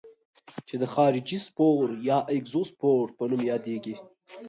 چې د خارجي سپور یا اګزوسپور په نوم یادیږي.